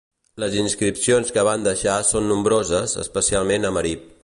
Les inscripcions que van deixar són nombroses especialment a Marib.